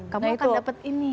kamu akan dapat ini